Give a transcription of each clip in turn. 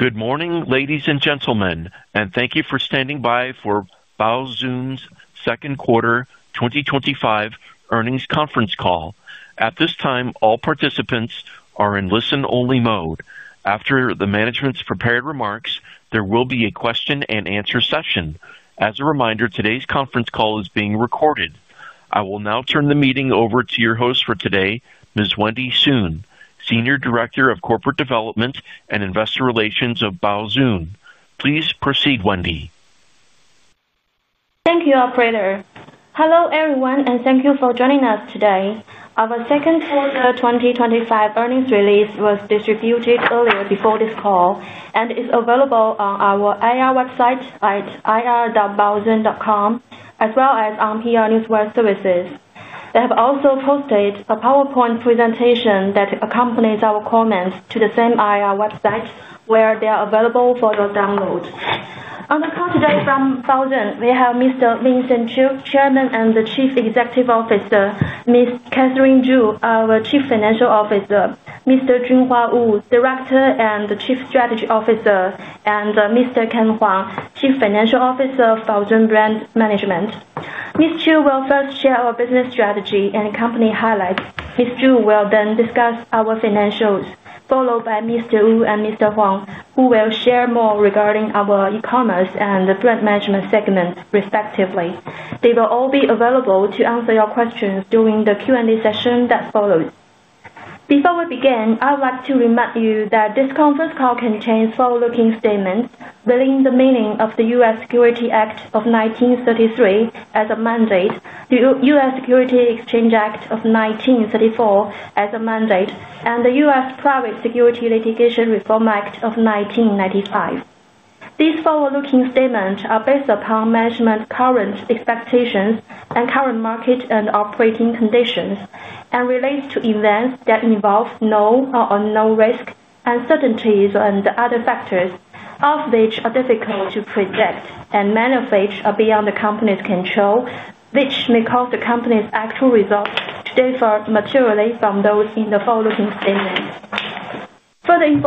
Good morning, ladies and gentlemen, and thank you for standing by for Baozun's Second Quarter 2025 Earnings Conference Call. At this time, all participants are in listen-only mode. After the management's prepared remarks, there will be a question and answer session. As a reminder, today's conference call is being recorded. I will now turn the meeting over to your host for today, Ms. Wendy Sun, Senior Director of Corporate Development and Investor Relations of Baozun. Please proceed, Wendy. Thank you, Operator. Hello everyone, and thank you for joining us today. Our second quarter 2025 earnings release was distributed earlier before this call and is available on our IR website at ir.baozun.com, as well as on PR Newswire Services. They have also posted a PowerPoint presentation that accompanies our comments to the same IR website where they are available for your download. On the call today from Baozun, we have Mr. Vincent Wenbin Qiu, Chairman and Chief Executive Officer, Ms. Catherine Zhu, our Chief Financial Officer, Mr. Junhua Wu, Director and Chief Strategy Officer, and Mr. Ken Huang, Chief Financial Officer of Baozun Brand Management. Mr. Qiu will first share our business strategy and company highlights. Ms. Zhu will then discuss our financials, followed by Mr. Wu and Mr. Huang, who will share more regarding our e-commerce and the brand management segment, respectively. They will all be available to answer your questions during the Q&A session that follows. Before we begin, I would like to remind you that this conference call contains forward-looking statements relating to the meaning of the U.S. Securities Act of 1933 as amended, the U.S. Securities Exchange Act of 1934 as amended, and the U.S. Private Securities Litigation Reform Act of 1995. These forward-looking statements are based upon management's current expectations and current market and operating conditions and relate to events that involve known or unknown risks, uncertainties, and othe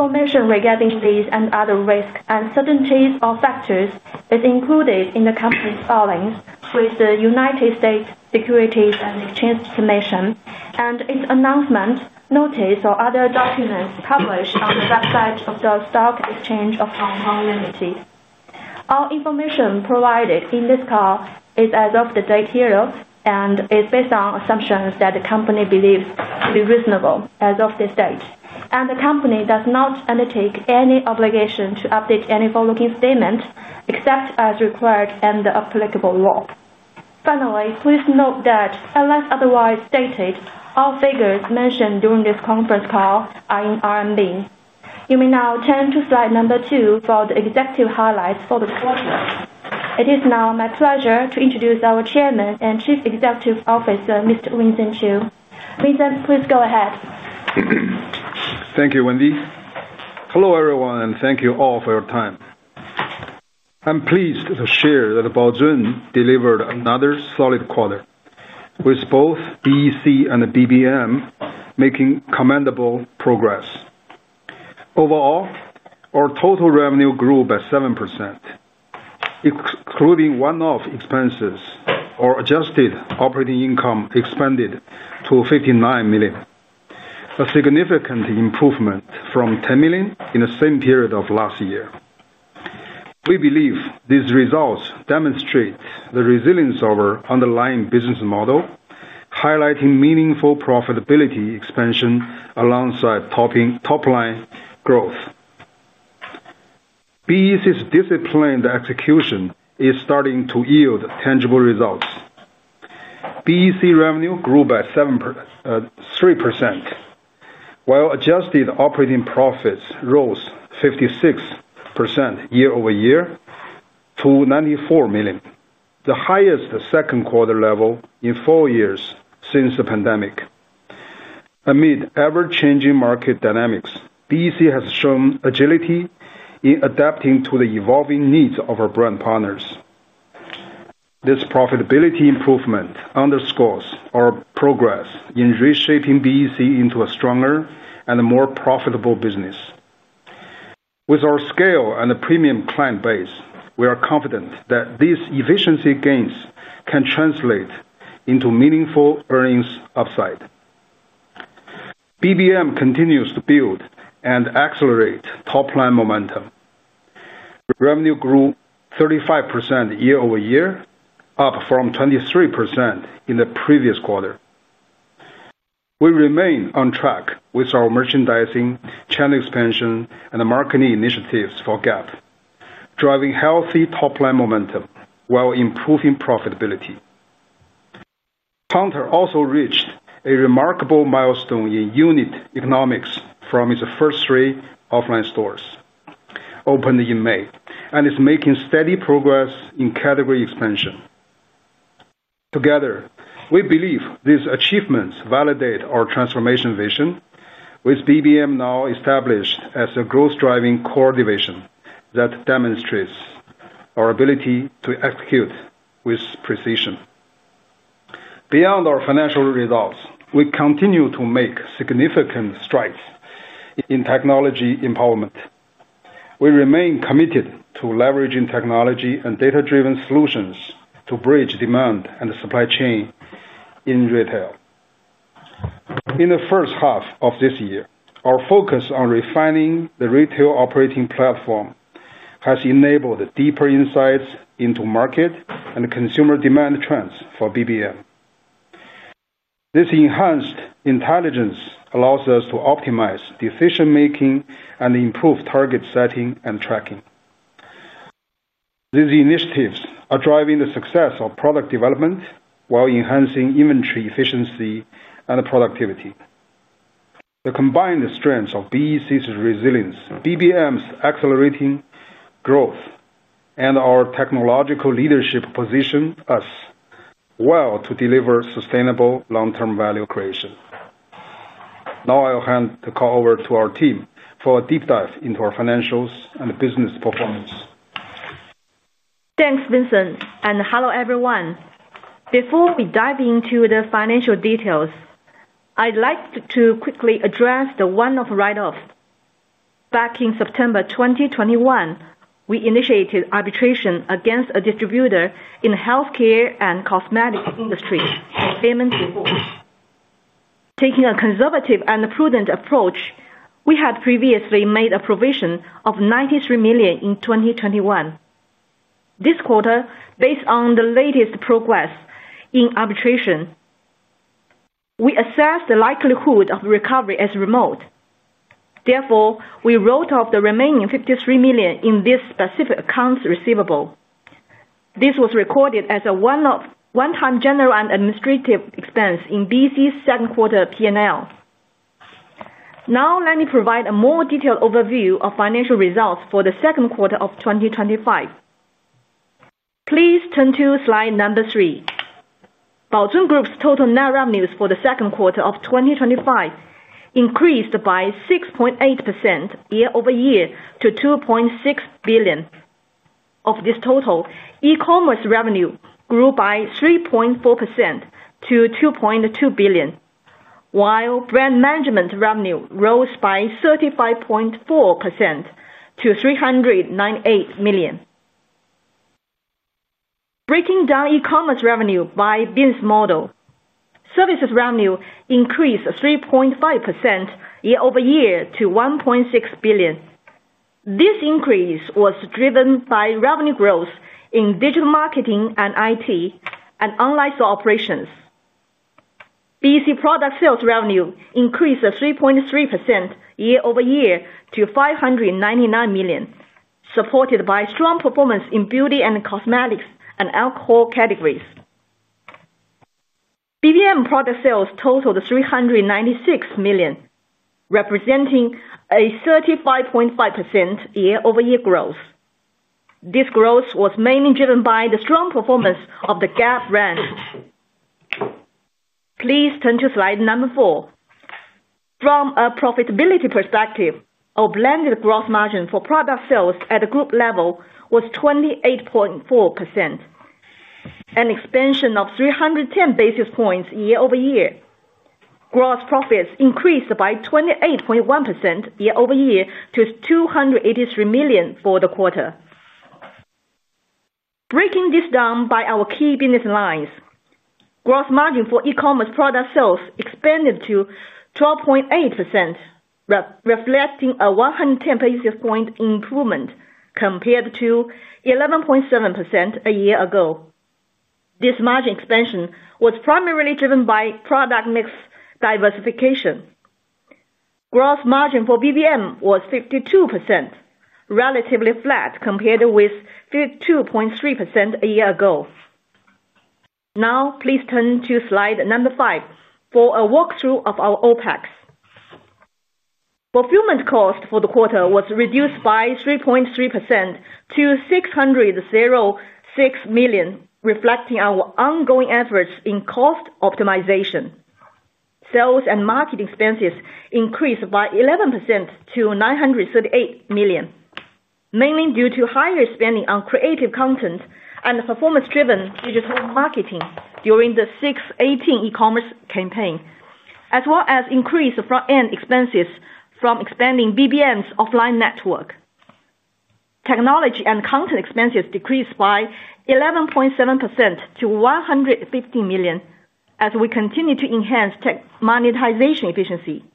Thank you, Wendy. Hello everyone, and thank you all for your time. I'm pleased to share that Baozun delivered another solid quarter, with both BEC and BBM making commendable progress. Overall, our total revenue grew by 7%. Excluding one-off expenses, our adjusted operating income expanded to 59 million, a significant improvement from 10 million in the same period of last year. We believe these results demonstrate the resilience of our underlying business model, highlighting meaningful profitability expansion alongside top-line growth. BEC's disciplined execution is starting to yield tangible results. BEC revenue grew by 3%, while adjusted operating profits rose 56% year-over-year to 94 million, the highest second quarter level in four years since the pandemic. Amid ever-changing market dynamics, BEC has shown agility in adapting to the evolving needs of our brand partners. This profitability improvement underscores our progress in reshaping BEC into a stronger and more profitable business. With our scale and premium client base, we are confident that these efficiency gains can translate into meaningful earnings upside. BBM continues to build and accelerate top-line momentum. Revenue grew 35% year-over-year, up from 23% in the previous quarter. We remain on track with our merchandising, channel expansion, and marketing initiatives for Gap, driving healthy top-line momentum while improving profitability. Hunter also reached a remarkable milestone in unit economics from its first three offline stores, opened in May, and is making steady progress in category expansion. Together, we believe these achievements validate our transformation vision, with BBM now established as a growth-driving core division that demonstrates our ability to execute with precision. Beyond our financial results, we continue to make significant strides in technology empowerment. We remain committed to leveraging technology and data-driven solutions to bridge demand and supply chain in retail. In the first half of this year, our focus on refining the retail operating platform has enabled deeper insights into market and consumer demand trends for BBM. This enhanced intelligence allows us to optimize decision-making and improve target setting and tracking. These initiatives are driving the success of product development while enhancing inventory efficiency and productivity. The combined strengths of BEC's resilience, BBM's accelerating growth, and our technological leadership position us well to deliver sustainable long-term value creation. Now I'll hand the call over to our team for a deep dive into our financials and business performance. Thanks, Vincent, and hello everyone. Before we dive into the financial details, I'd like to quickly address the one-off write-offs. Back in September 2021, we initiated arbitration against a distributor in the healthcare and cosmetics industry for payment default. Taking a conservative and prudent approach, we had previously made a provision of 93 million in 2021. This quarter, based on the latest progress in arbitration, we assessed the likelihood of recovery as remote. Therefore, we wrote off the remaining 53 million in this specific accounts receivable. This was recorded as a one-off, one-time general and administrative expense in BEC's second quarter P&L. Now, let me provide a more detailed overview of financial results for the second quarter of 2025. Please turn to slide number three. Baozun Group's total net revenues for the second quarter of 2025 increased by 6.8% year-over-year to 2.6 billion. Of this total, e-commerce revenue grew by 3.4% to 2.2 billion, while brand management revenue rose by 35.4% to RMB 398 million. Breaking down e-commerce revenue by Bin's model, services revenue increased 3.5% year-over-year to 1.6 billion. This increase was driven by revenue growth in digital marketing and IT, and analyze operations. BEC product sales revenue increased 3.3% year-over-year to 599 million, supported by strong performance in beauty and cosmetics and alcohol categories. BBM product sales totaled 396 million, representing a 35.5% year-over-year growth. This growth was mainly driven by the strong performance of the Gap brand. Please turn to slide number four. From a profitability perspective, our blended gross margin for product sales at the group level was 28.4%, an expansion of 310 basis points year-over-year. Gross profits increased by 28.1% year-over-year to 283 million for the quarter. Breaking this down by our key business lines, gross margin for e-commerce product sales expanded to 12.8%, reflecting a 110 basis point improvement compared to 11.7% a year ago. This margin expansion was primarily driven by product mix diversification. Gross margin for BBM was 52%, relatively flat compared with 52.3% a year ago. Now, please turn to slide number five for a walkthrough of our OpEx. Fulfillment cost for the quarter was reduced by 3.3% to 606 million, reflecting our ongoing efforts in cost optimization. Sales and market expenses increased by 11% to 938 million, mainly due to higher spending on creative content and performance-driven digital marketing during the 6/18 e-commerce campaign, as well as increased front-end expenses from expanding BBM's offline network. Technology and content expenses decreased by 11.7% to 115 million as we continue to enhance tech monetization efficiency.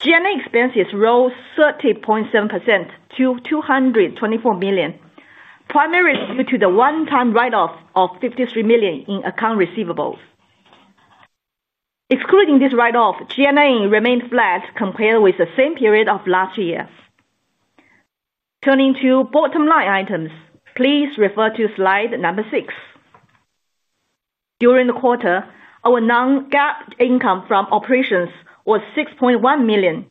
G&A expenses rose 30.7% to 224 million, primarily due to the one-time write-off of 53 million in account receivables. Excluding this write-off, G&A remained flat compared with the same period of last year. Turning to bottom line items, please refer to slide number six. During the quarter, our non-GAAP income from operations was 6.1 million.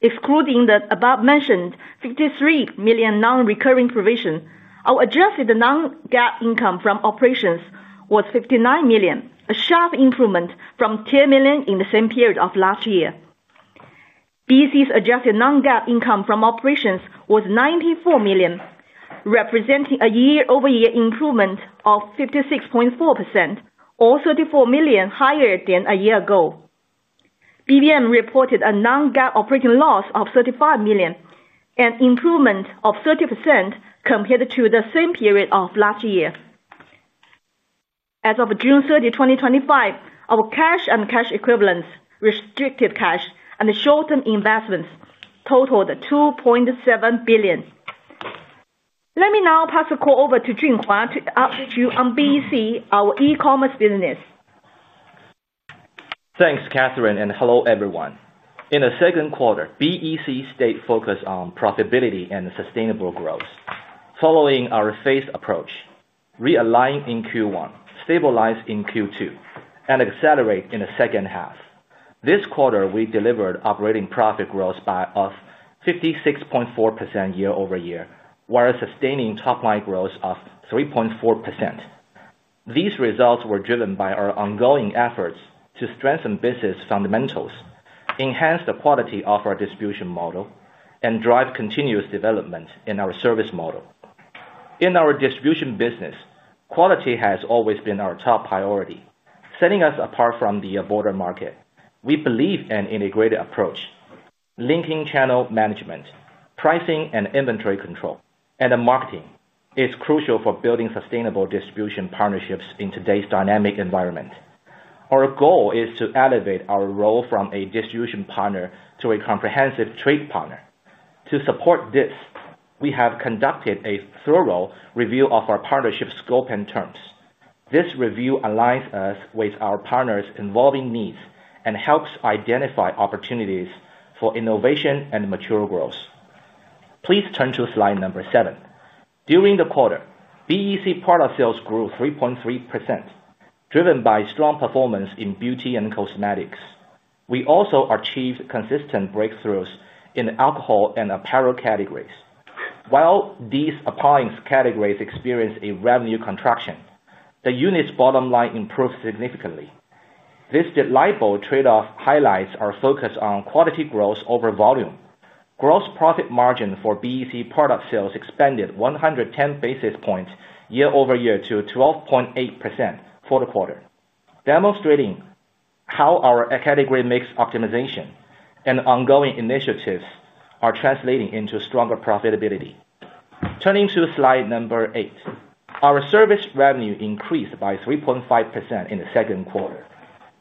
Excluding the above-mentioned 53 million non-recurring provision, our adjusted non-GAAP income from operations was 59 million, a sharp improvement from 10 million in the same period of last year. BEC's adjusted non-GAAP income from operations was 94 million, representing a year-over-year improvement of 56.4%, or 34 million higher than a year ago. BBM reported a non-GAAP operating loss of 35 million, an improvement of 30% compared to the same period of last year. As of June 30, 2025, our cash and cash equivalents, restricted cash, and short-term investments totaled 2.7 billion. Let me now pass the call over to Junhua to update you on BEC, our e-commerce business. Thanks, Catherine, and hello everyone. In the second quarter, BEC stayed focused on profitability and sustainable growth. Following our phased approach, we aligned in Q1, stabilized in Q2, and accelerated in the second half. This quarter, we delivered operating profit growth by 56.4% year-over-year, while sustaining top-line growth of 3.4%. These results were driven by our ongoing efforts to strengthen business fundamentals, enhance the quality of our distribution model, and drive continuous development in our service model. In our distribution business, quality has always been our top priority, setting us apart from the broader market. We believe in an integrated approach. Linking channel management, pricing and inventory control, and marketing are crucial for building sustainable distribution partnerships in today's dynamic environment. Our goal is to elevate our role from a distribution partner to a comprehensive trade partner. To support this, we have conducted a thorough review of our partnership scope and terms. This review aligns us with our partners' evolving needs and helps identify opportunities for innovation and mature growth. Please turn to slide number seven. During the quarter, BEC product sales grew 3.3%, driven by strong performance in beauty and cosmetics. We also achieved consistent breakthroughs in alcohol and apparel categories. While these appliance categories experienced a revenue contraction, the unit's bottom line improved significantly. This delightful trade-off highlights our focus on quality growth over volume. Gross profit margin for BEC product sales expanded 110 basis points year-over-year to 12.8% for the quarter, demonstrating how our category mix optimization and ongoing initiatives are translating into stronger profitability. Turning to slide number eight, our service revenue increased by 3.5% in the second quarter,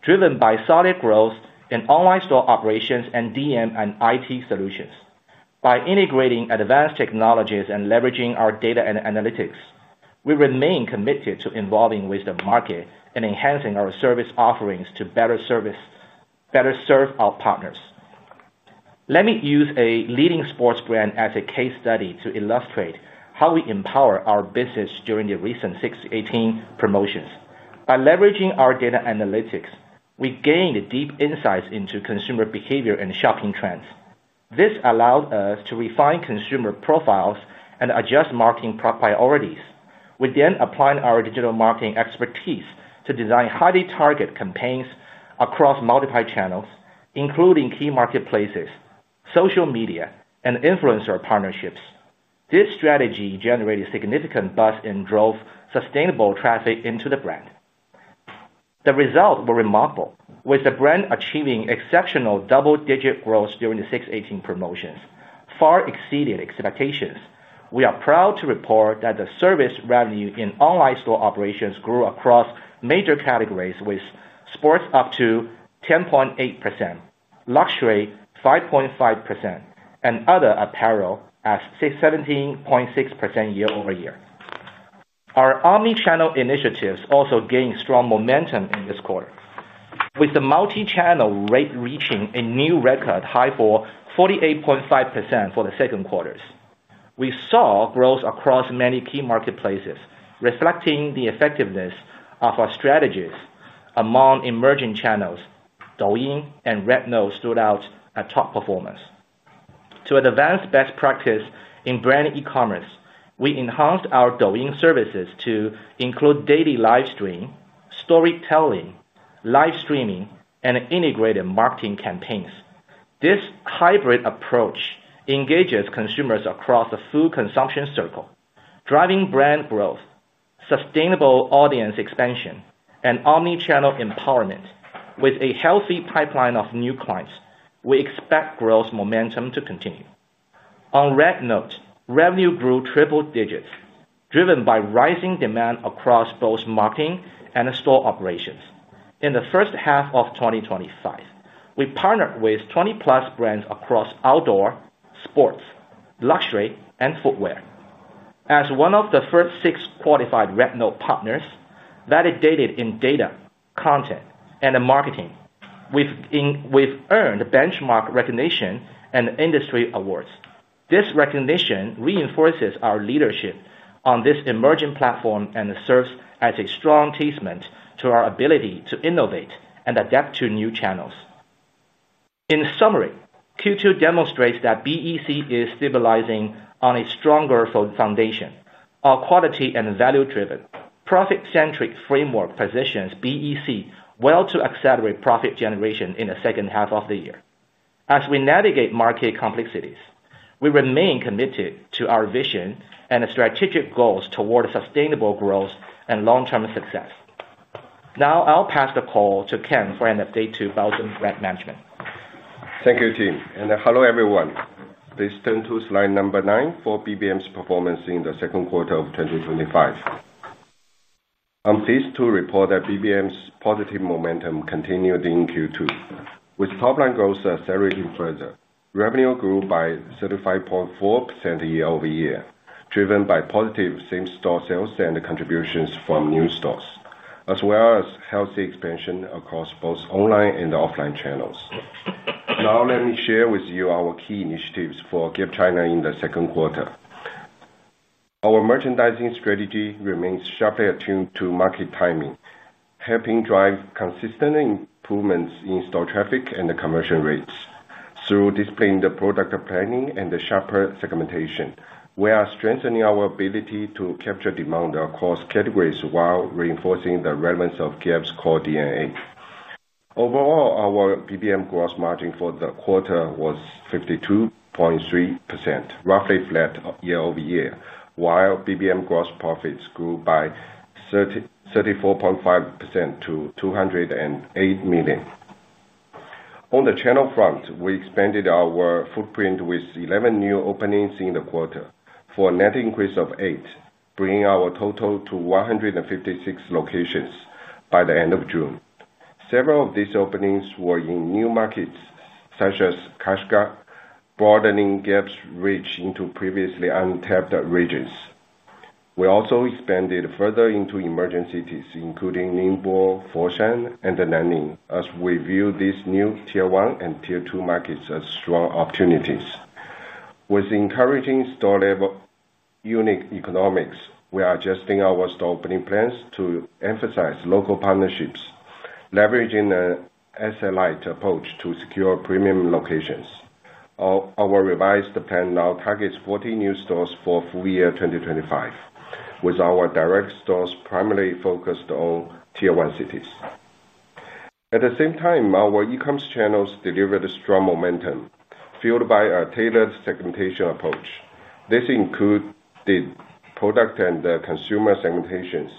driven by solid growth in online store operations and DM and IT solutions. By integrating advanced technologies and leveraging our data and analytics, we remain committed to evolving with the market and enhancing our service offerings to better serve our partners. Let me use a leading sports brand as a case study to illustrate how we empower our business during the recent 6/18 promotions. By leveraging our data analytics, we gained deep insights into consumer behavior and shopping trends. This allowed us to refine consumer profiles and adjust marketing priorities. We then applied our digital marketing expertise to design highly targeted campaigns across multiple channels, including key marketplaces, social media, and influencer partnerships. This strategy generated significant buzz and drove sustainable traffic into the brand. The results were remarkable, with the brand achieving exceptional double-digit growth during the 6/18 promotions, far exceeding expectations. We are proud to report that the service revenue in online store operations grew across major categories, with sports up to 10.8%, luxury 5.5%, and other apparel at 17.6% year-over-year. Our omnichannel initiatives also gained strong momentum in this quarter, with the multi-channel rate reaching a new record high of 48.5% for the second quarter. We saw growth across many key marketplaces, reflecting the effectiveness of our strategies among emerging channels. Douyin and RedNote stood out as top performers. To advance best practices in brand e-commerce, we enhanced our Douyin services to include daily livestreaming, storytelling, livestreaming, and integrated marketing campaigns. This hybrid approach engages consumers across the food consumption circle, driving brand growth, sustainable audience expansion, and omnichannel empowerment. With a healthy pipeline of new clients, we expect growth momentum to continue. On RedNote, revenue grew triple digits, driven by rising demand across both marketing and store operations. In the first half of 2025, we partnered with 20+ brands across outdoor, sports, luxury, and footwear. As one of the first six qualified RedNote partners, validated in data, content, and marketing, we've earned benchmark recognition and industry awards. This recognition reinforces our leadership on this emerging platform and serves as a strong testament to our ability to innovate and adapt to new channels. In summary, Q2 demonstrates that BEC is stabilizing on a stronger foundation. Our quality and value-driven, profit-centric framework positions BEC well to accelerate profit generation in the second half of the year. As we navigate market complexities, we remain committed to our vision and strategic goals toward sustainable growth and long-term success. Now, I'll pass the call to Ken for an update to Baozun Brand Management. Thank you, team, and hello everyone. Please turn to slide number nine for BBM's performance in the second quarter of 2025. I'm pleased to report that BBM's positive momentum continued in Q2. With top-line growth accelerating further, revenue grew by 35.4% year-over-year, driven by positive same-store sales and contributions from new stores, as well as healthy expansion across both online and offline channels. Now, let me share with you our key initiatives for Gap China in the second quarter. Our merchandising strategy remains sharply attuned to market timing, helping drive consistent improvements in store traffic and conversion rates. Through disciplined product planning and sharper segmentation, we are strengthening our ability to capture demand across categories while reinforcing the relevance of Gap's core DNA. Overall, our BBM gross margin for the quarter was 52.3%, roughly flat year-over-year, while BBM gross profits grew by 34.5% to RMB 208 million. On the channel front, we expanded our footprint with 11 new openings in the quarter, for a net increase of eight, bringing our total to 156 locations by the end of June. Several of these openings were in new markets, such as Kashgar, broadening Gap's reach into previously untapped regions. We also expanded further into emerging cities, including Ningbo, Foshan, and Nanning, as we view these new tier one and tier two markets as strong opportunities. With encouraging store-level unit economics, we are adjusting our store opening plans to emphasize local partnerships, leveraging an SLI-ed approach to secure premium locations. Our revised plan now targets 40 new stores for full year 2025, with our direct stores primarily focused on Tier 1 cities. At the same time, our e-commerce channels delivered strong momentum, fueled by a tailored segmentation approach. This included product and consumer segmentations,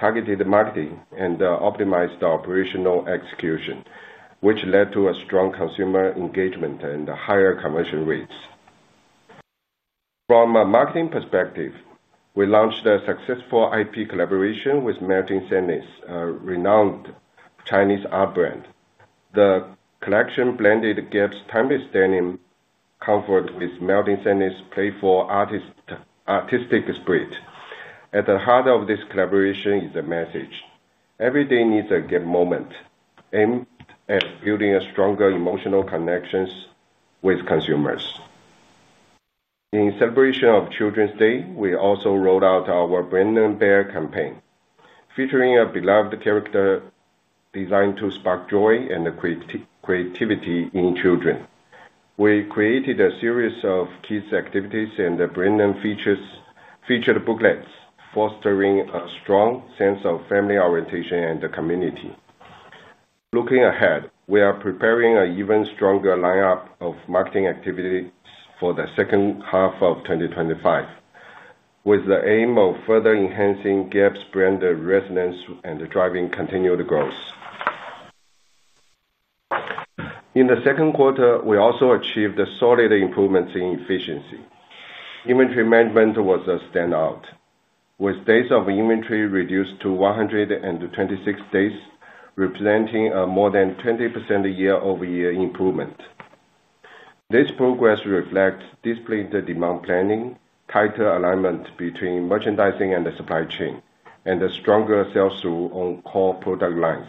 targeted marketing, and optimized operational execution, which led to strong consumer engagement and higher conversion rates. From a marketing perspective, we launched a successful IP collaboration with Melting Sadness, a renowned Chinese art brand. The collection blended Gap's timeless denim comfort with Melting Sadness's playful artistic spirit. At the heart of this collaboration is a message: every day needs a Gap moment, aimed at building stronger emotional connections with consumers. In celebration of Children's Day, we also rolled out our Brandon Bear campaign, featuring a beloved character designed to spark joy and creativity in children. We created a series of kids' activities and Brandon-featured booklets, fostering a strong sense of family orientation and community. Looking ahead, we are preparing an even stronger lineup of marketing activities for the second half of 2025, with the aim of further enhancing Gap China's brand resonance and driving continued growth. In the second quarter, we also achieved solid improvements in efficiency. Inventory management was a standout, with days of inventory reduced to 126 days, representing a more than 20% year-over-year improvement. This progress reflects disciplined demand planning, tighter alignment between merchandising and the supply chain, and a stronger sell-through on core product lines.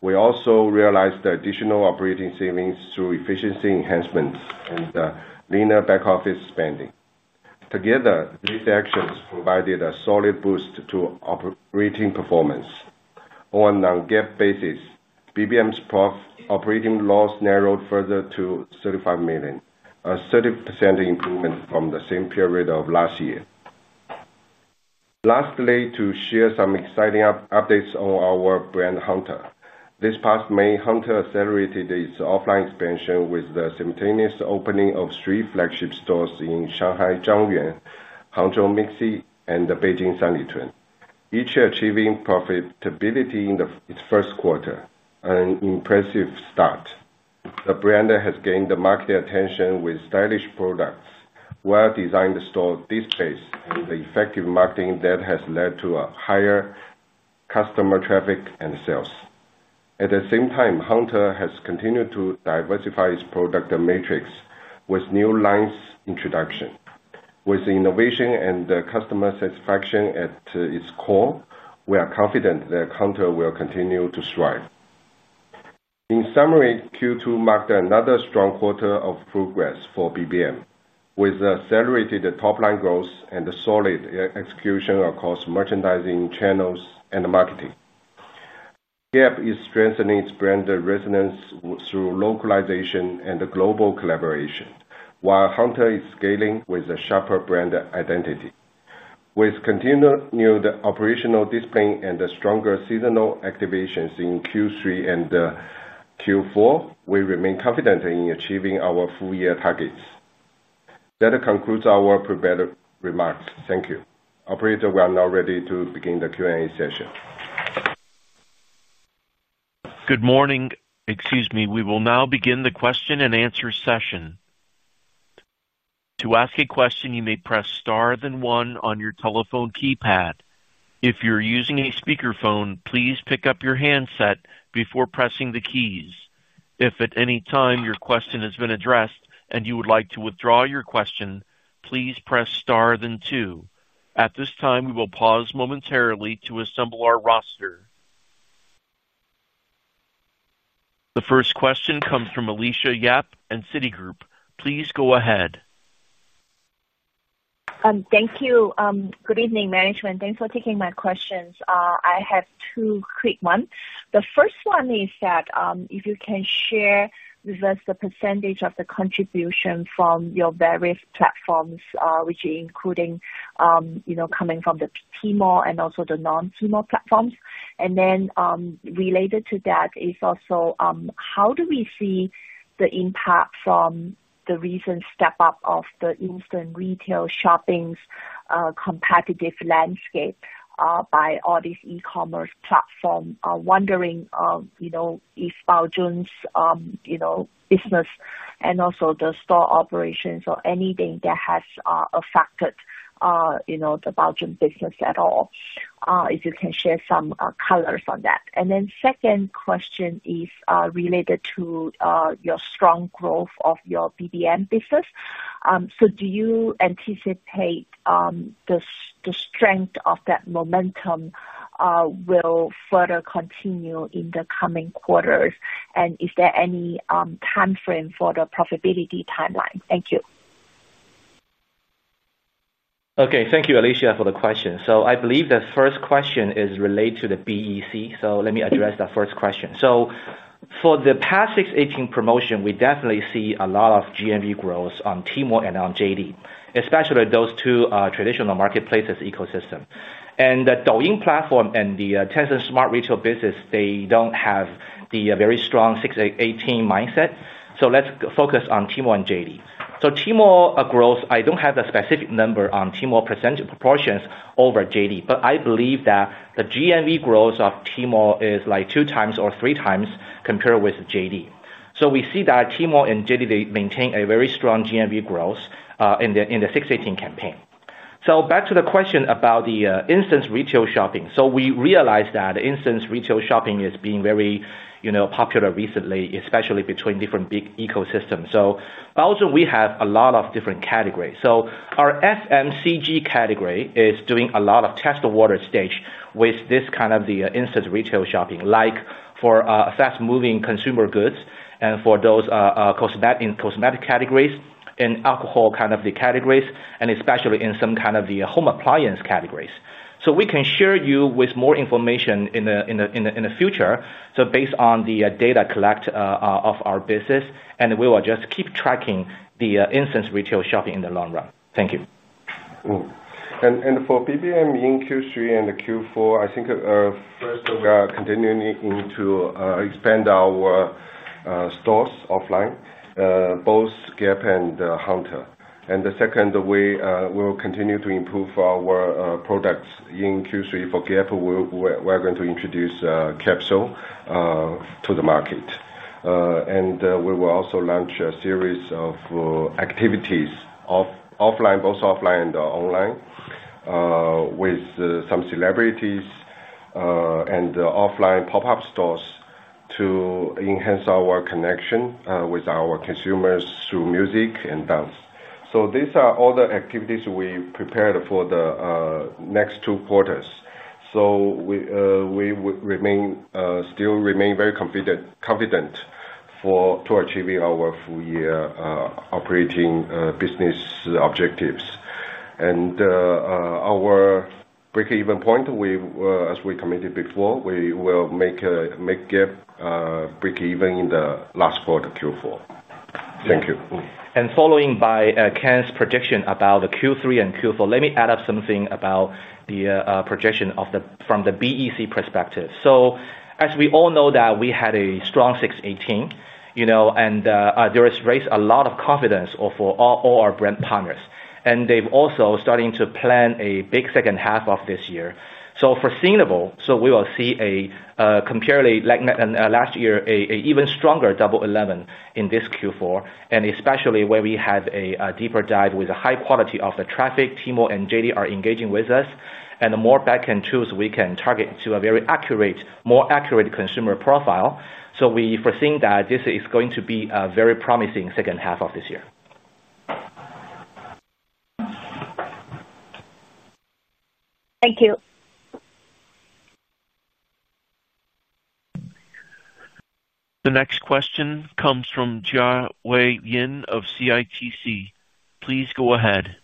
We also realized additional operating savings through efficiency enhancements and leaner back-office spending. Together, these actions provided a solid boost to operating performance. On a non-Gap China basis, BBM's operating loss narrowed further to 35 million, a 30% improvement from the same period of last year. Lastly, to share some exciting updates on our brand, Hunter. This past May, Hunter accelerated its offline expansion with the simultaneous opening of three flagship stores in Shanghai Zhongyuan, Hangzhou Mingxi, and Beijing Sanlichun, each achieving profitability in its first quarter, an impressive start. The brand has gained market attention with stylish products, well-designed store displays, and effective marketing that has led to higher customer traffic and sales. At the same time, Hunter has continued to diversify its product matrix with new lines' introduction. With innovation and customer satisfaction at its core, we are confident that Hunter will continue to thrive. In summary, Q2 marked another strong quarter of progress for BBM, with accelerated top-line growth and solid execution across merchandising channels and marketing. Gap is strengthening its brand resonance through localization and global collaboration, while Hunter is scaling with a sharper brand identity. With continued operational discipline and stronger seasonal activations in Q3 and Q4, we remain confident in achieving our full-year targets. That concludes our prepared remarks. Thank you. Operator, we are now ready to begin the Q&A session. Good morning. Excuse me, we will now begin the question-and-answer session. To ask a question, you may press star then one on your telephone keypad. If you're using a speakerphone, please pick up your handset before pressing the keys. If at any time your question has been addressed and you would like to withdraw your question, please press star then two. At this time, we will pause momentarily to assemble our roster. The first question comes from Alicia Yap at Citigroup. Please go ahead. Thank you. Good evening, management. Thanks for taking my questions. I have two quick ones. The first one is that if you can share with us the percentage of the contribution from your various platforms, which are including, you know, coming from the Tmall and also the non-Tmall platforms. Related to that is also, how do we see the impact from the recent step-up of the instant retail shopping's competitive landscape by all these e-commerce platforms? Wondering, you know, is Baozun's, you know, business and also the store operations or anything that has affected, you know, the Baozun business at all? If you can share some colors on that. The second question is related to your strong growth of your BBM business. Do you anticipate the strength of that momentum will further continue in the coming quarters? Is there any timeframe for the profitability timeline? Thank you. Okay, thank you, Alicia, for the question. I believe the first question is related to the BEC. Let me address that first question. For the past 6/18 promotion, we definitely see a lot of GMV growth on Tmall and on JD, especially those two traditional marketplace ecosystems. The Douyin platform and the Tencent Smart Retail Business don't have the very strong 6/18 mindset. Let's focus on Tmall and JD.com. Tmall growth, I don't have a specific number on Tmall proportions over JD, but I believe that the GMV growth of Tmall is like two times or three times compared with JD.com. We see that Tmall and JD maintain a very strong GMV growth in the 6/18 campaign. Back to the question about the instant retail shopping. We realize that instant retail shopping is being very, you know, popular recently, especially between different big ecosystems. Baozun, we have a lot of different categories. Our SMCG category is doing a lot of test water stage with this kind of the instant retail shopping, like for fast-moving consumer goods and for those in cosmetic categories and alcohol kind of the categories, and especially in some kind of the home appliance categories. We can share you with more information in the future. Based on the data collected of our business, we will just keep tracking the instant retail shopping in the long run. Thank you. For BBM in Q3 and Q4, I think first continuing to expand our stores offline, both Gap and Hunter. The second, we will continue to improve our products in Q3. For Gap, we're going to introduce Capsule to the market. We will also launch a series of activities both offline and online, with some celebrities and offline pop-up stores to enhance our connection with our consumers through music and dance. These are all the activities we prepared for the next two quarters. We remain still very confident to achieve our full-year operating business objectives. Our break-even point, as we committed before, we will make Gap break even in the last quarter, Q4. Thank you. Following Ken's projection about Q3 and Q4, let me add up something about the projection from the BEC perspective. As we all know, we had a strong 6/18, you know, and this raised a lot of confidence for all our brand partners. They've also started to plan a big second half of this year. For sustainable, we will see, compared to last year, an even stronger Double 11 in this Q4, especially where we had a deeper dive with a high quality of the traffic. Tmall and JD are engaging with us, and the more backend tools we can target to a very accurate, more accurate consumer profile. We foresee that this is going to be a very promising second half of this year. Thank you. The next question comes from Jiawei Yin of CITIC. Please go ahead.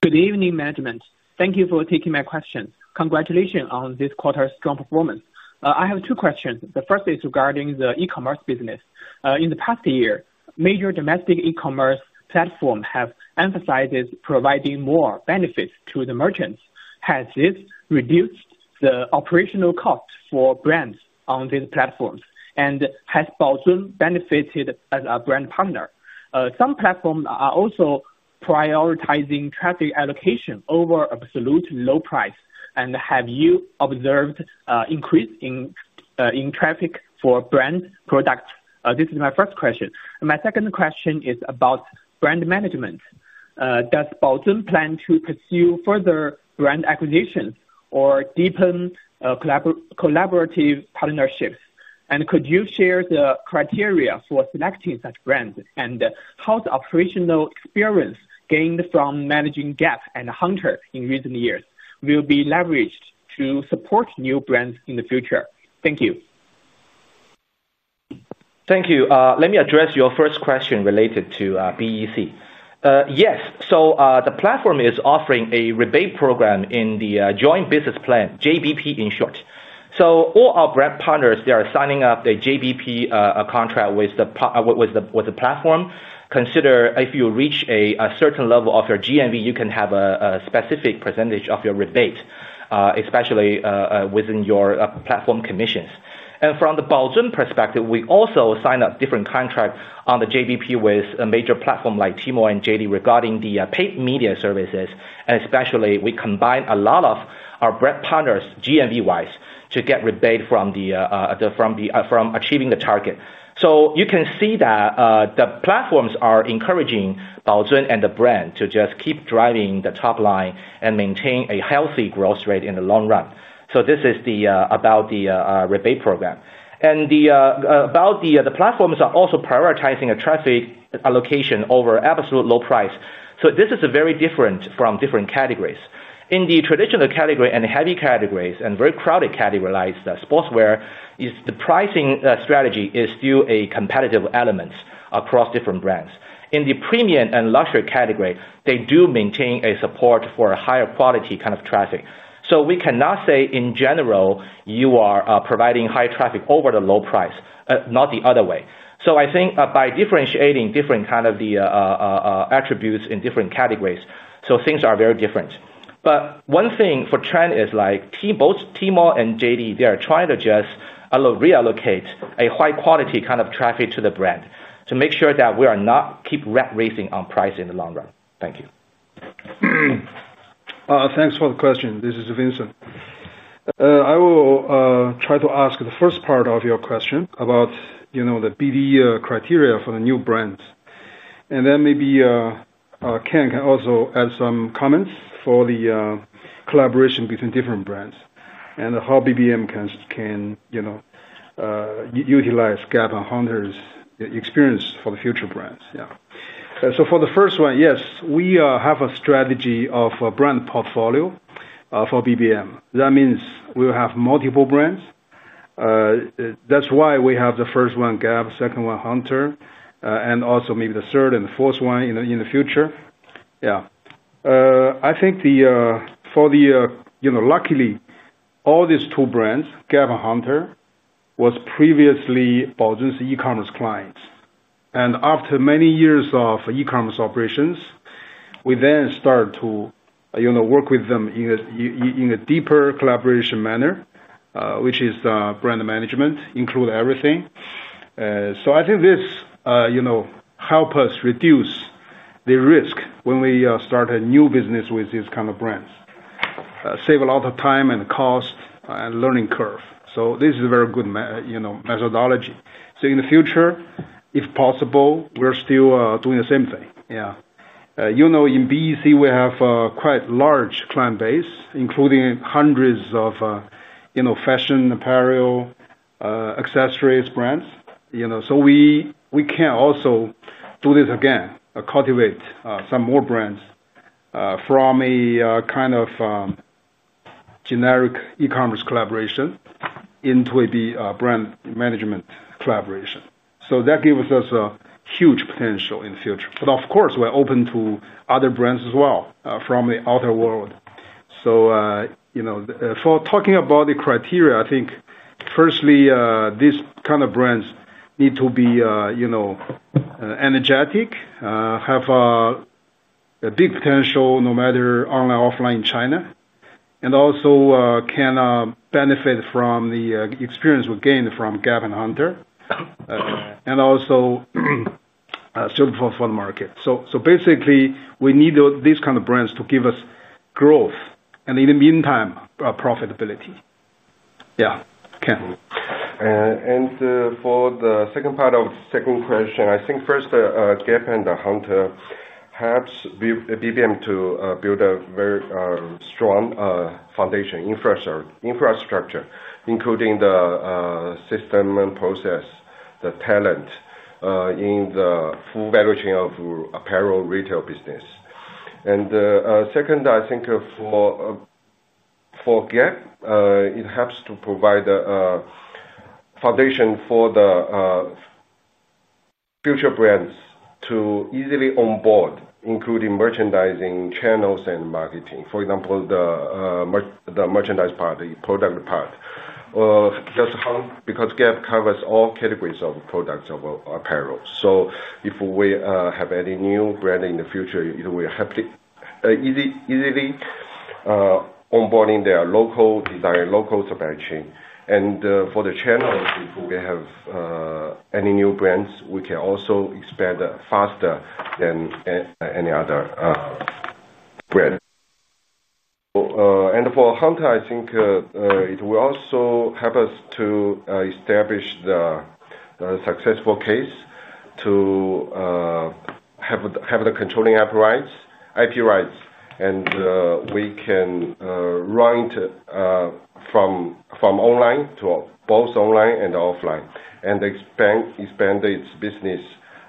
Good evening, management. Thank you for taking my question. Congratulations on this quarter's strong performance. I have two questions. The first is regarding the e-commerce business. In the past year, major domestic e-commerce platforms have emphasized providing more benefits to the merchants. Has this reduced the operational cost for brands on these platforms? Has Baozun benefited as a brand partner? Some platforms are also prioritizing traffic allocation over absolute low price. Have you observed an increase in traffic for brand products? This is my first question. My second question is about brand management. Does Baozun plan to pursue further brand acquisitions or deepen collaborative partnerships? Could you share the criteria for selecting such brands? How will the operational experience gained from managing Gap and Hunter in recent years be leveraged to support new brands in the future? Thank you. Thank you. Let me address your first question related to BEC. Yes, the platform is offering a rebate program in the joint business plan, JBP in short. All our brand partners are signing up the JBP contract with the platform. Consider if you reach a certain level of your GMV, you can have a specific percentage of your rebate, especially within your platform conditions. From the Baozun perspective, we also signed up different contracts on the JBP with a major platform like Tmall and JD regarding the paid media services. Especially, we combine a lot of our brand partners' GMV-wise to get rebate from achieving the target. You can see that the platforms are encouraging Baozun and the brand to just keep driving the top line and maintain a healthy growth rate in the long run. This is about the rebate program. The platforms are also prioritizing a traffic allocation over absolute low price. This is very different from different categories. In the traditional category and heavy categories and very crowded categories like sportswear, the pricing strategy is still a competitive element across different brands. In the premium and luxury category, they do maintain a support for a higher quality kind of traffic. We cannot say in general you are providing high traffic over the low price, not the other way. I think by differentiating different kinds of the attributes in different categories, things are very different. One thing for trend is like both Tmall and JD, they are trying to just reallocate a high-quality kind of traffic to the brand to make sure that we are not keeping rat raising on price in the long run. Thank you. Thanks for the question. This is Vincent. I will try to answer the first part of your question about the BD criteria for the new brands. Maybe Ken can also add some comments for the collaboration between different brands and how BBM can utilize Gap and Hunter's experience for the future brands. For the first one, yes, we have a strategy of a brand portfolio for BBM. That means we'll have multiple brands. That's why we have the first one Gap, second one Hunter, and also maybe the third and fourth one in the future. I think, luckily, all these two brands, Gap and Hunter, were previously Baozun's e-commerce clients. After many years of e-commerce operations, we then started to work with them in a deeper collaboration manner, which is brand management, including everything. I think this helps us reduce the risk when we start a new business with these kinds of brands, save a lot of time and cost and learning curve. This is a very good methodology. In the future, if possible, we're still doing the same thing. In BEC, we have a quite large client base, including hundreds of fashion apparel, accessories brands. We can also do this again, cultivate some more brands from a kind of generic e-commerce collaboration into a brand management collaboration. That gives us a huge potential in the future. Of course, we're open to other brands as well from the outer world. For talking about the criteria, I think firstly, these kinds of brands need to be energetic, have a big potential no matter online or offline in China, and also can benefit from the experience we gained from Gap and Hunter, and also serve for the foreign market. Basically, we need these kinds of brands to give us growth and in the meantime, profitability. For the second part of the second question, I think first, Gap and Hunter help BBM to build a very strong foundation infrastructure, including the system and process, the talent in the full value chain of apparel retail business. Second, I think for Gap, it helps to provide a foundation for the future brands to easily onboard, including merchandising channels and marketing. For example, the merchandise part, the product part, just how, because Gap covers all categories of products of apparel. If we have any new brand in the future, it will help easily onboarding their local supply chain. For the channels, if we have any new brands, we can also expand faster than any other brand. For Hunter, I think it will also help us to establish a successful case to have the controlling IP rights, and we can run it from online to both online and offline, and expand its business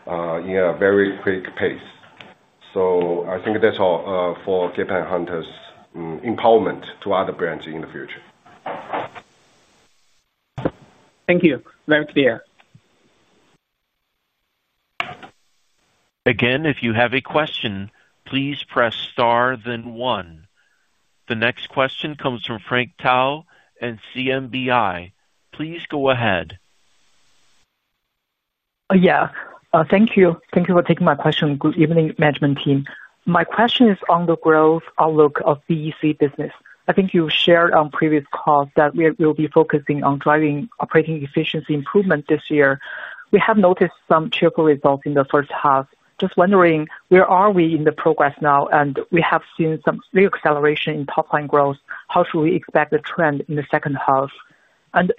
at a very quick pace. I think that's all for Gap and Hunter's empowerment to other brands in the future. Thank you. Very clear. Again, if you have a question, please press star then one. The next question comes from Frank Tao at CMBI. Please go ahead. Thank you. Thank you for taking my question. Good evening, management team. My question is on the growth outlook of BEC business. I think you shared on previous calls that we will be focusing on driving operating efficiency improvement this year. We have noticed some cheerful results in the first half. Just wondering, where are we in the progress now? We have seen some big acceleration in top-line growth. How should we expect the trend in the second half?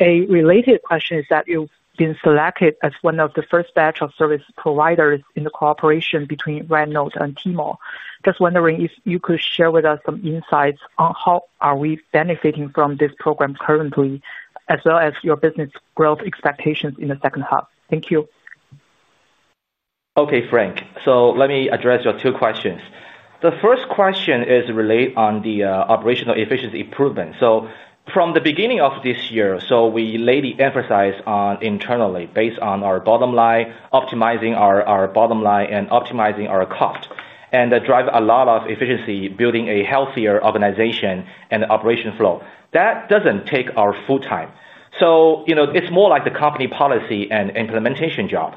A related question is that you've been selected as one of the first batch of service providers in the cooperation between RedNote and Tmall. Just wondering if you could share with us some insights on how are we benefiting from this program currently, as well as your business growth expectations in the second half. Thank you. Okay, Frank. Let me address your two questions. The first question is related to the operational efficiency improvement. From the beginning of this year, we lately emphasized internally, based on our bottom line, optimizing our bottom line and optimizing our cost, and drive a lot of efficiency, building a healthier organization and operation flow. That doesn't take our full time. It's more like the company policy and implementation job.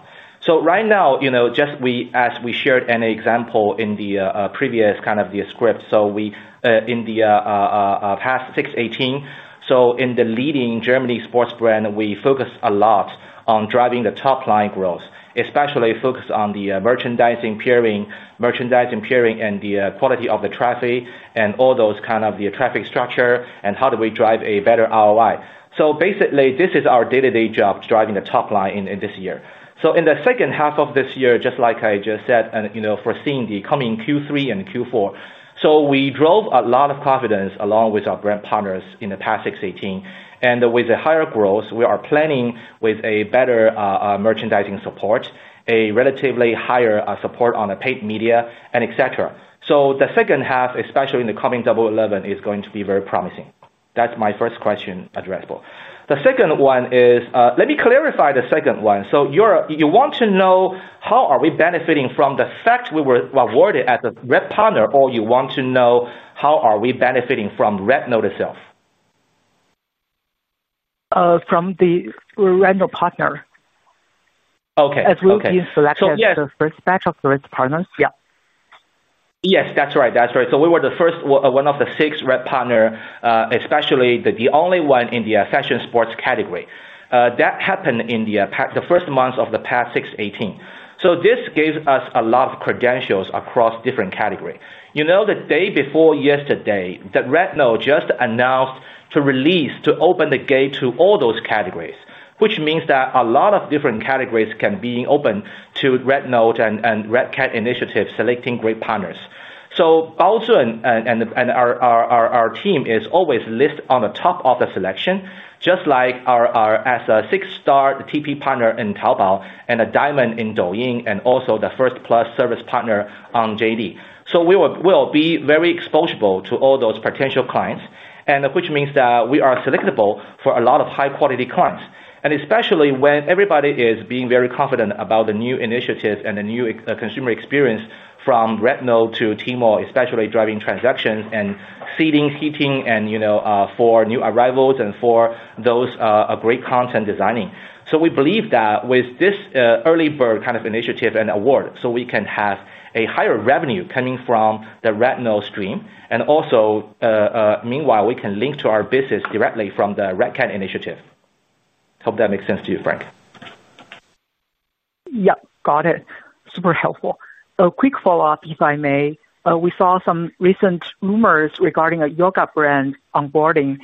Right now, just as we shared an example in the previous kind of the script, in the past 6/18, in the leading Germany sports brand, we focused a lot on driving the top-line growth, especially focused on the merchandising pairing and the quality of the traffic, and all those kinds of the traffic structure, and how do we drive a better ROI. Basically, this is our day-to-day job, driving the top line in this year. In the second half of this year, just like I just said, foreseeing the coming Q3 and Q4, we drove a lot of confidence along with our brand partners in the past 6/18. With the higher growth, we are planning with a better merchandising support, a relatively higher support on the paid media, and et cetera. The second half, especially in the coming Double 11, is going to be very promising. That's my first question addressable. The second one is, let me clarify the second one. You want to know how are we benefiting from the fact we were awarded as a Red partner, or you want to know how are we benefiting from RedNote itself? From the RedNote partner. Okay. As we've been selected as the first batch of service partners. Yes, that's right. We were the first one of the six Red partners, especially the only one in the fashion sports category. That happened in the first month of the past 6/18. This gave us a lot of credentials across different categories. The day before yesterday, RedNote just announced to release, to open the gate to all those categories, which means that a lot of different categories can be opened to RedNote and Red Cat initiatives, selecting great partners. Baozun and our team are always listed on the top of the selection, just like our six-star TP partner in Taobao, a diamond in Douyin, and also the first-plus service partner on JD.com. We will be very exposable to all those potential clients, which means that we are selectable for a lot of high-quality clients. Especially when everybody is being very confident about the new initiatives and the new consumer experience from RedNote to T-Mall, especially driving transactions and seeding, heating, and for new arrivals and for those great content designing. We believe that with this early bird kind of initiative and award, we can have a higher revenue coming from the RedNote stream. Meanwhile, we can link to our business directly from the Red Cat initiative. Hope that makes sense to you, Frank. Got it. Super helpful. A quick follow-up, if I may. We saw some recent rumors regarding a yoga brand onboarding.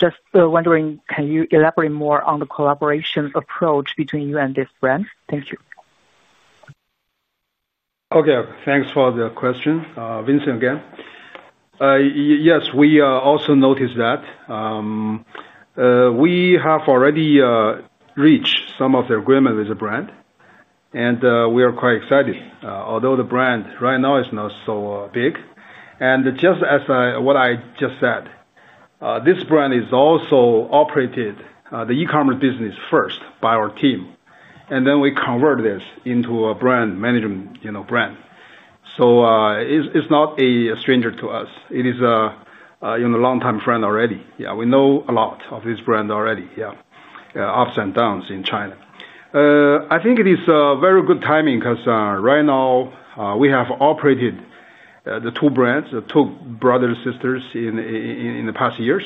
Just wondering, can you elaborate more on the collaboration approach between you and this brand? Thank you. Okay, thanks for the question. Vincent again. Yes, we also noticed that we have already reached some of the agreement with the brand, and we are quite excited. Although the brand right now is not so big, just as what I just said, this brand is also operated the e-commerce business first by our team, and then we convert this into a brand management, you know, brand. It is not a stranger to us. It is a long-time friend already. We know a lot of this brand already, ups and downs in China. I think it is a very good timing because right now we have operated the two brands, the two brothers and sisters in the past years.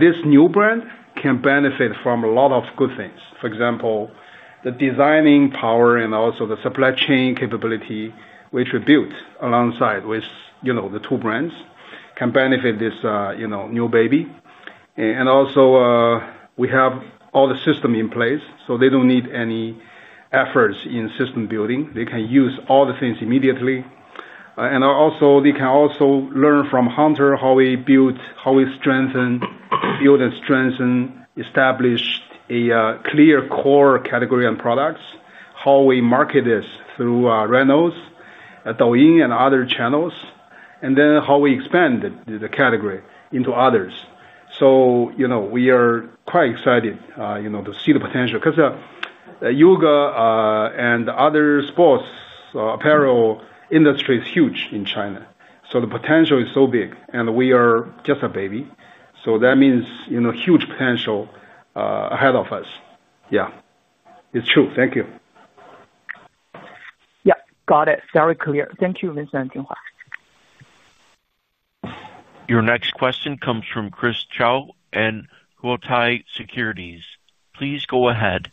This new brand can benefit from a lot of good things. For example, the designing power and also the supply chain capability, which we built alongside with the two brands, can benefit this new baby. We have all the systems in place, so they don't need any efforts in system building. They can use all the things immediately. They can also learn from Hunter how we build, how we strengthen, field and strengthen, establish a clear core category and products, how we market this through RedNote, Douyin, and other channels, and how we expand the category into others. We are quite excited to see the potential because yoga and other sports apparel industry is huge in China. The potential is so big, and we are just a baby. That means huge potential ahead of us. Yeah, it's true. Thank you. Yep, got it. Very clear. Thank you, Vincent. Your next question comes from Chris Zhao and Quotai Securities. Please go ahead.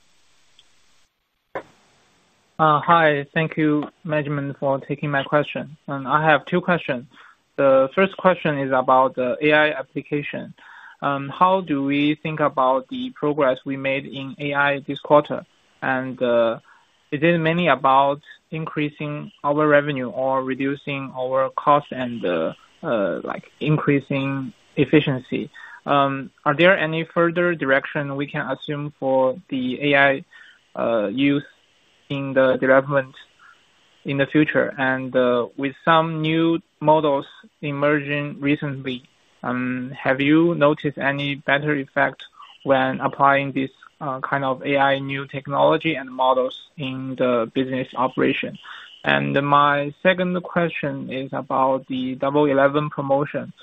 Hi, thank you, management, for taking my question. I have two questions. The first question is about the AI application. How do we think about the progress we made in AI this quarter? Is it mainly about increasing our revenue or reducing our cost and increasing efficiency? Are there any further directions we can assume for the AI use in the development in the future? With some new models emerging recently, have you noticed any better effect when applying this kind of AI new technology and models in the business operation? My second question is about the Double 11 promotion.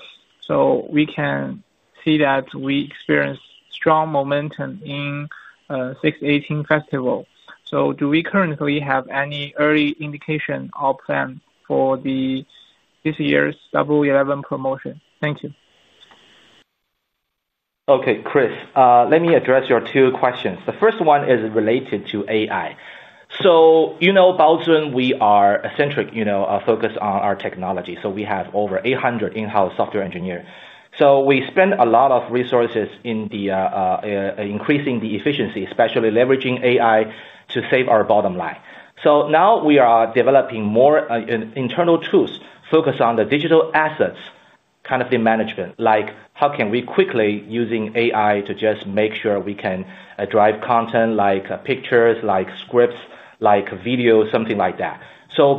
We can see that we experienced strong momentum in the 6/18 festival. Do we currently have any early indication or plan for this year's Double 11 promotion? Thank you. Okay, Chris, let me address your two questions. The first one is related to AI. You know, Baozun, we are eccentric, you know, focused on our technology. We have over 800 in-house software engineers. We spend a lot of resources in increasing the efficiency, especially leveraging AI to save our bottom line. Now we are developing more internal tools focused on the digital assets kind of the management, like how can we quickly use AI to just make sure we can drive content like pictures, like scripts, like videos, something like that.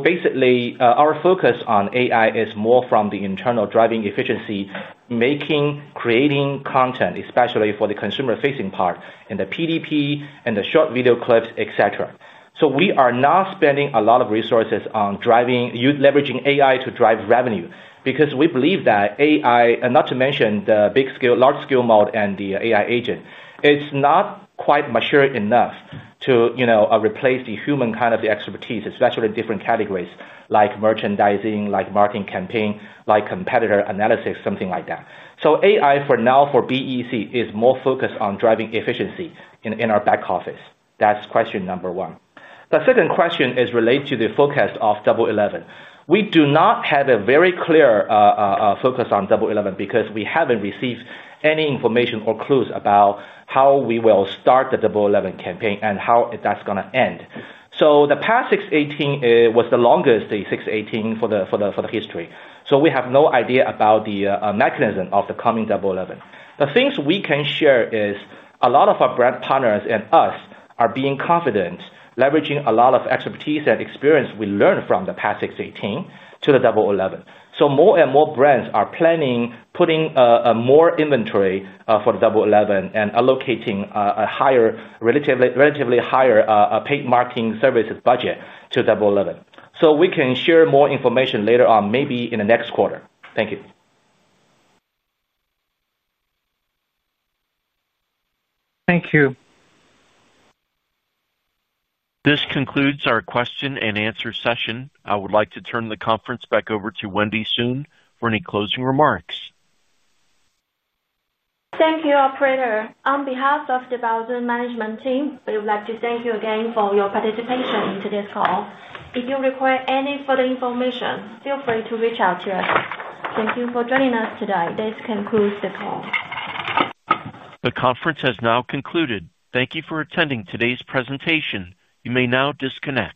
Basically, our focus on AI is more from the internal driving efficiency, making, creating content, especially for the consumer-facing part, and the PDP and the short video clips, et cetera. We are now spending a lot of resources on leveraging AI to drive revenue because we believe that AI, and not to mention the big scale, large scale mode and the AI agent, it's not quite mature enough to, you know, replace the human kind of the expertise, especially different categories like merchandising, like marketing campaign, like competitor analysis, something like that. AI for now for BEC is more focused on driving efficiency in our back office. That's question number one. The second question is related to the forecast of Double 11. We do not have a very clear focus on Double 11 because we haven't received any information or clues about how we will start the Double 11 campaign and how that's going to end. The past 6/18 was the longest 6/18 for the history. We have no idea about the mechanism of the coming Double 11. The things we can share is a lot of our brand partners and us are being confident, leveraging a lot of expertise and experience we learned from the past 6/18 to the Double 11. More and more brands are planning on putting more inventory for the Double 11 and allocating a higher, relatively higher paid marketing services budget to Double 11. We can share more information later on, maybe in the next quarter. Thank you. Thank you. This concludes our question-and-answer session. I would like to turn the conference back over to Wendy Sun for any closing remarks. Thank you, Operator. On behalf of the Baozun management team, we would like to thank you again for your participation in today's call. If you require any further information, feel free to reach out to us. Thank you for joining us today. This concludes the call. The conference has now concluded. Thank you for attending today's presentation. You may now disconnect.